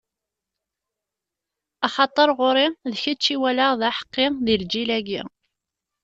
Axaṭer, ɣur-i, d kečč i walaɣ d aḥeqqi di lǧil-agi.